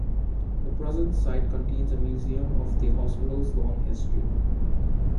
The present site contains a museum of the hospital's long history.